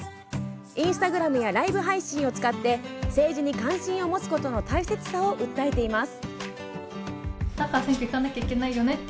インスタグラムやライブ配信を使って政治に関心を持つことの大切さを訴えています。